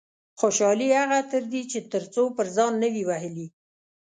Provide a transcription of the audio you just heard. خوشحالي هغه عطر دي چې تر څو پر ځان نه وي وهلي.